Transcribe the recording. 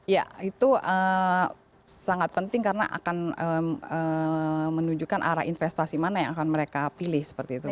ya itu sangat penting karena akan menunjukkan arah investasi mana yang akan mereka pilih seperti itu